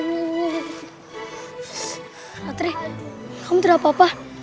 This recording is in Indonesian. putri kamu tidak apa apa